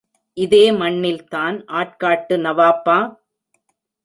இதே மண்ணில்தான் ஆற்காட்டு நவாப்பா?